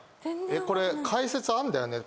これ解説あんだよね？